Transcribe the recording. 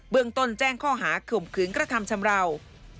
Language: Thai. เมืองต้นแจ้งข้อหาข่มขืนกระทำชำราว